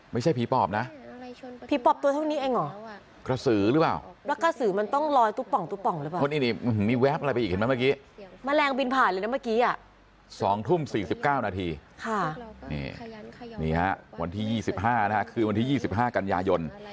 ไม่ใช่ผีปอบนะผีปอบตัวเท่านี้เองเหรอ